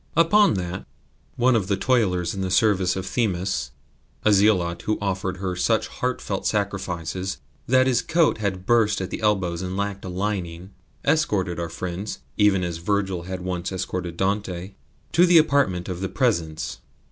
Upon that one of the toilers in the service of Themis a zealot who had offered her such heartfelt sacrifice that his coat had burst at the elbows and lacked a lining escorted our friends (even as Virgil had once escorted Dante) to the apartment of the Presence.